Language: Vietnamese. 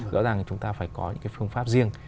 rõ ràng là chúng ta phải có những phương pháp riêng